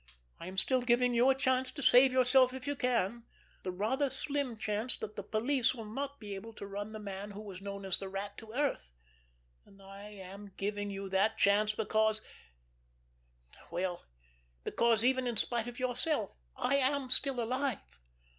I am still giving you a chance to save yourself if you can; the rather slim chance that the police will not be able to run the man who was known as the Rat to earth! And I am giving you that chance because—well because, even in spite of yourself, I am still alive."